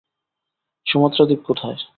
Sumatra দ্বীপ কোথায়?